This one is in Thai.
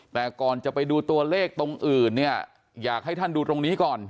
แต่ก่อนจะไปดูตัวเลขตรงอื่นเนี่ยอยากให้ท่านดูตรงนี้ก่อน